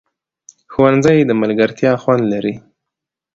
ښوونځی د ملګرتیا خوند لري